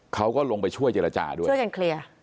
เขาก็ลงไปช่วยเจรจาด้วยช่วยกันเคลียร์